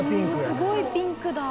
すごいピンクだ。